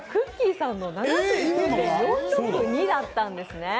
さん７９．４６２だったんですね。